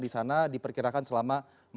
disana diperkirakan selama